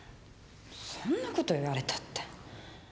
そんなこと言われたって。